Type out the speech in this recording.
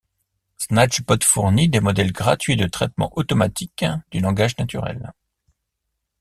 SnatchBotfournit des modèles gratuits de traitement automatique du langage naturel.